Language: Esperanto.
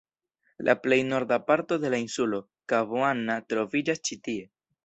La plej norda parto de la insulo, Kabo Anna, troviĝas ĉi tie.